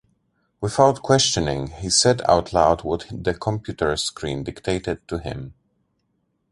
Without questioning, he said out loud what the computer screen dictated to him.